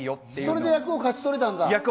それで役を勝ち取れたんだ。